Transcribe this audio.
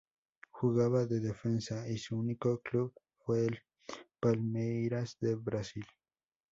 Jugaba de defensa y su único club fue el Palmeiras de Brasil.